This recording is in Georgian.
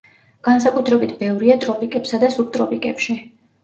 განსაკუთრებით ბევრია ტროპიკებსა და სუბტროპიკებში.